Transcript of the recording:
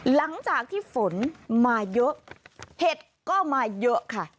หลังจากที่ฝนมาเยอะเห็ดก็มาเยอะค่ะ